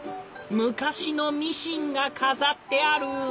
昔のミシンが飾ってある！